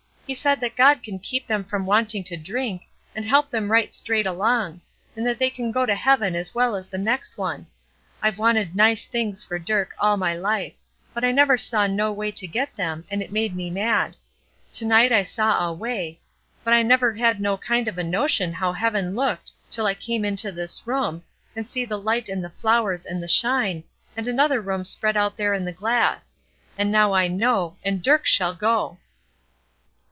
He says that God can keep them from wanting to drink, and help them right straight along; and that they can go to heaven as well as the next one. I've wanted nice things for Dirk all my life; but I never saw no way to get them, and it made me mad. To night I saw a way, but I never had no kind of a notion how heaven looked till I come into this room, and see the light and the flowers and the shine, and another room spread out there in the glass: and now I know, and Dirk shall go!"